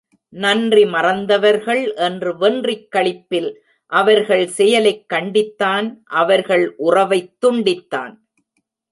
நன்றி மறந்தவர்கள் என்று வென்றிக் களிப்பில் அவர்கள் செயலைக் கண்டித்தான் அவர்கள் உறவைத் துண்டித்தான்.